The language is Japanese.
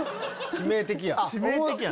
致命的やな。